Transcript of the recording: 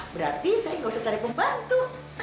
berarti saya nggak usah cari pembantu